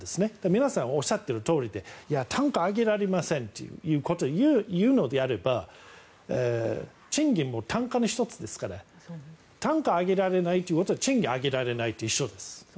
皆さんおっしゃっているとおりで単価を上げられませんということを言うのであれば賃金も単価の１つですから単価を上げられないということは賃金を上げられないのと一緒です。